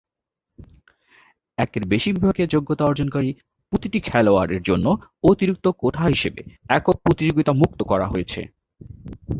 একের বেশি বিভাগে যোগ্যতা অর্জনকারী প্রতিটি খেলোয়াড়ের জন্য অতিরিক্ত কোঠা হিসাবে একক প্রতিযোগিতা মুক্ত করা হয়েছে।